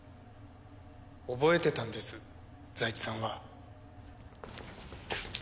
覚えてたんです財津さんは。